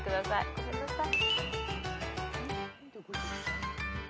ごめんなさい。